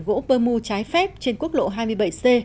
gỗ pơ mu trái phép trên quốc lộ hai mươi bảy c